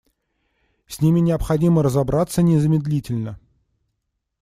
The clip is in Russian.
С ними необходимо разобраться незамедлительно.